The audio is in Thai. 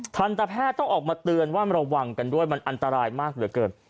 ทันตแพทย์ต้องออกมาเตือนว่าระวังกันด้วยมันอันตรายมากเหลือเกิน